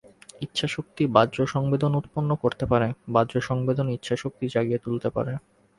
ইচ্ছা-শক্তি বাহ্য সংবেদন উৎপন্ন করতে পারে, বাহ্য সংবেদনও ইচ্ছা-শক্তি জাগিয়ে তুলতে পারে।